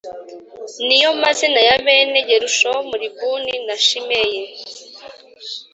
Ni yo mazina ya bene gerushomu libuni y na shimeyi